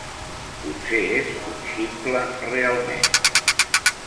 Potser és un ximple realment.